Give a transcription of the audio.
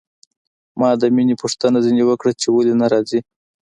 ما د مينې پوښتنه ځنې وکړه چې ولې نه راځي.